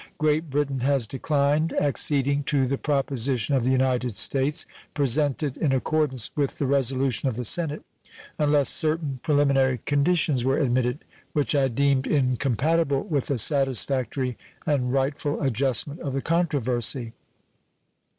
Great Britain has declined acceding to the proposition of the United States, presented in accordance with the resolution of the Senate, unless certain preliminary conditions were admitted, which I deemed incompatible with a satisfactory and rightful adjustment of the controversy.